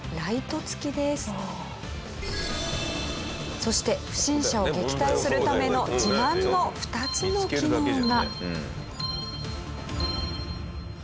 そして不審者を撃退するための自慢の２つの機能が。